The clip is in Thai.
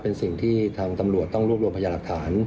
เป็นสิ่งที่ทางตำรวจต้องรวบรวมพยาหลักฐาน